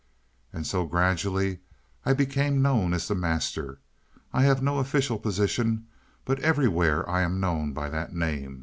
"And so gradually, I became known as the Master. I have no official position, but everywhere I am known by that name.